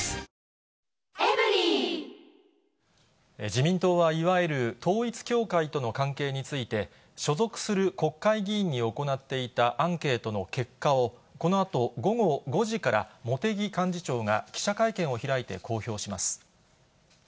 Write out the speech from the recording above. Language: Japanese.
自民党は、いわゆる統一教会との関係について、所属する国会議員に行っていたアンケートの結果を、このあと午後５時から、茂木幹事長が記者会見を開いて公表します。